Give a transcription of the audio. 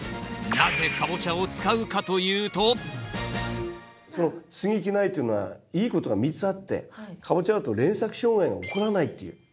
なぜカボチャを使うかというとその接ぎ木苗っていうのはいいことが３つあってカボチャだと連作障害が起こらないっていう。